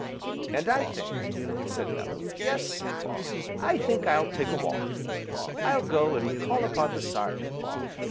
"And I think," said Bellew, "Yes, I think I'll take a walk. I'll go and call upon the Sergeant."